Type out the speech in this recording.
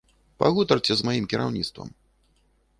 Пагутарце з маім кіраўніцтвам.